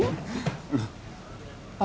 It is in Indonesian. gak apa apa lagian ada poniren